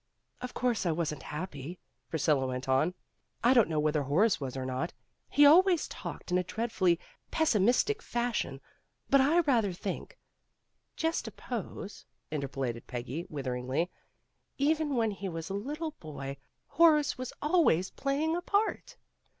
4 'Of course I wasn't happy," Priscilla went on. "I don't know whether Horace was or not. He always talked in a dreadfully pessimistic fashion, but I rather think " "Just a pose," interpolated Peggy wither ingly. "Even when he was a little boy, Horace was always playing a part."